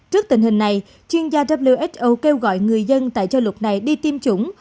trước tình hình này chuyên gia who kêu gọi người dân tại châu lục này đi tiêm chủng